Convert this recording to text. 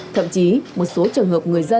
thậm chí một số trường hợp người dân